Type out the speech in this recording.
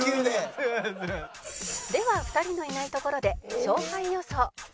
では２人のいないところで勝敗予想